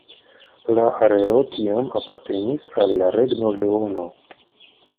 La areo tiam apartenis al la Regno Leono.